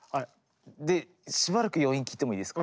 でしばらく余韻聴いてもいいですか。